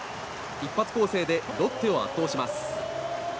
一発攻勢でロッテを圧倒します。